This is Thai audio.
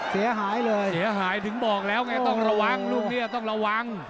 เสียหายเลยเสียหายถึงบอกแล้วไงต้องระวังลูกนี้ต้องระวัง